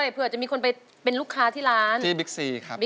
เผื่อแม่แพ้กว่าได้